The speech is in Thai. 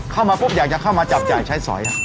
เข้ามาปุ๊บอยากจะเข้ามาจับจ่ายใช้สอย